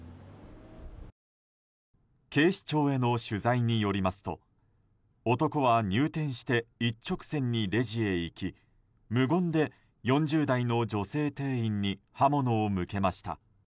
警視庁への取材によりますと男は入店して一直線にレジへ行き無言で４０代の女性店員に刃物を向けました。